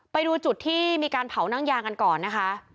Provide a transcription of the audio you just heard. ไปดูจุดที่มีการเผานั่งยางกันก่อนนะคะ